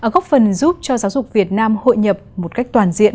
góp phần giúp cho giáo dục việt nam hội nhập một cách toàn diện